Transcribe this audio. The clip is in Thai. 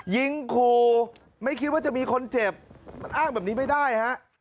ยิงขู่ไม่คิดว่าจะมีคนเจ็บอ้างแบบนี้ไม่ได้ฮะ